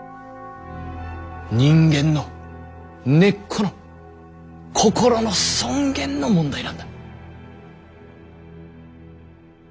人間の根っこの心の尊厳の問題なんだ。